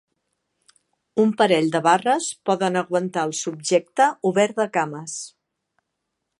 Un parell de barres poden aguantar el subjecte obert de cames.